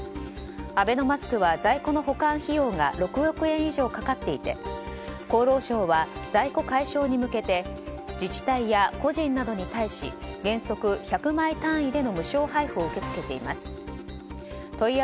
アベノマスクは在庫の保管費用が６億円以上かかっていて厚労省は在庫解消に向けて自治体や個人などに対し原則１００枚単位での無償配布を受け付けています。